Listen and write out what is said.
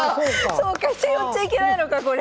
そうか飛車寄っちゃいけないのかこれ。